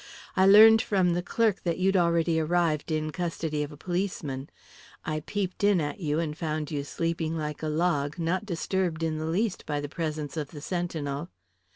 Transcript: I learned from the clerk that you'd already arrived in custody of a policeman. I peeped in at you, and found you sleeping like a log, not disturbed in the least by the presence of the sentinel."